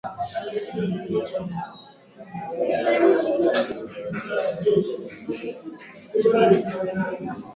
Ukitafuta byakuria bya mingi sana rima sana